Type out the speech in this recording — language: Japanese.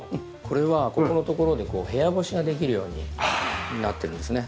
これはここのところでこう部屋干しができるようになってるんですね。